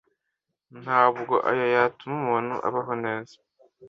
ntabwo ayo yatuma umuntu abaho neza,